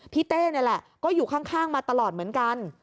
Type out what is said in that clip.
เต้นี่แหละก็อยู่ข้างมาตลอดเหมือนกัน